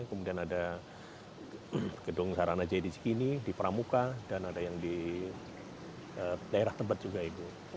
kemudian ada gedung sarana jaya di cikini di pramuka dan ada yang di daerah tempat juga ibu